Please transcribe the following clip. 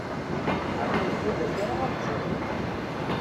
Ɛni ur ḥudren ara aqjun-nni?